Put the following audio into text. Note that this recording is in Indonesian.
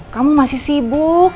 kamu masih sibuk